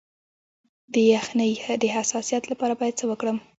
د یخنۍ د حساسیت لپاره باید څه وکړم؟